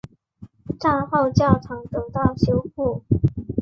战后教堂得到修复。